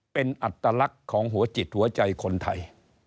เป็นอัตลักษณ์ของหัวจิตหัวใจคนไทย